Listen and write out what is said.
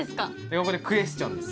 ここでクエスチョンです。